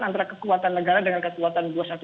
antara kekuatan negara dengan kekuatan dua ratus dua belas